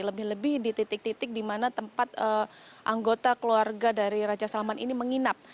lebih lebih di titik titik di mana tempat anggota keluarga dari raja salman ini menginap